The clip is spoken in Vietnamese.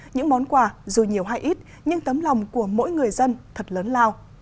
những món quà dù nhiều hay ít nhưng tấm lòng của mỗi người dân thật lớn lao